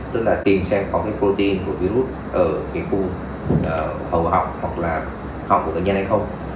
tức là tìm xem có protein của virus ở khu hầu họng hoặc là họng của nhân hay không